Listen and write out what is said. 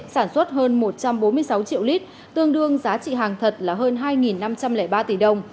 sản xuất hơn một trăm bốn mươi sáu triệu lít tương đương giá trị hàng thật là hơn hai năm trăm linh ba tỷ đồng